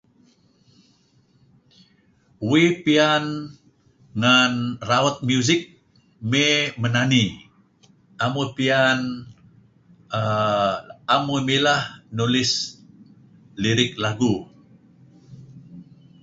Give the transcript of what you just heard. Uih pian ngen raut music may manani am uih pian uhm am uih mileh nulis lyric lagu